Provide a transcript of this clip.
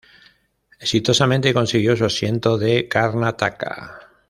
Exitosamente consiguió su asiento de Karnataka.